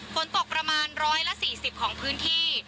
ฝนตกประมาณ๑๔๐ของพื้นที่